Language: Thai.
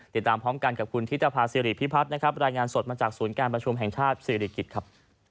ติดตามพร้อมกันกับคุณธิตภาษิริพิพัฒน์นะครับรายงานสดมาจากศูนย์การประชุมแห่งชาติศิริกิจครับ